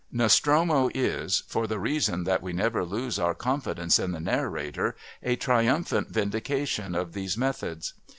Nostromo is, for the reason that we never lose our confidence in the narrator, a triumphant vindication of these methods.